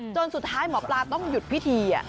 สุดท้ายหมอปลาต้องหยุดพิธี